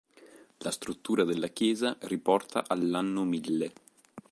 La struttura della chiesa riporta all'anno mille.